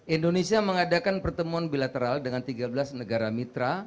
indonesia mengadakan pertemuan bilateral dengan tiga belas negara mitra